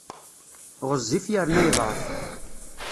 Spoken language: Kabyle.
Ɣezzif yerna yeḍɛef.